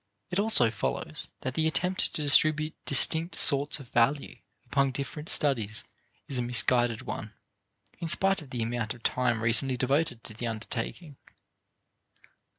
It also follows that the attempt to distribute distinct sorts of value among different studies is a misguided one, in spite of the amount of time recently devoted to the undertaking.